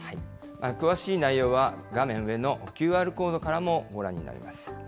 詳しい内容は画面上のＱＲコードからもご覧になれます。